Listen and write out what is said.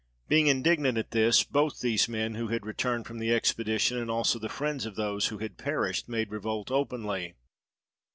Being indignant at this, both these men who had returned from the expedition and also the friends of those who had perished made revolt openly.